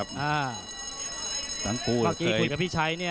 เผ่าฝั่งโขงหมดยก๒